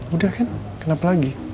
udah kan kenapa lagi